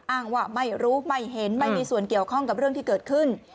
อ้างว่าไม่รู้ไม่เห็นไม่มีส่วนเกี่ยวข้องกับเรื่องที่เกิดขึ้น